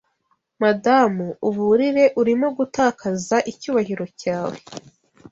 Madamu, uburire, urimo gutakaza icyubahiro cyawe